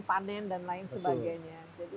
panen dan lain sebagainya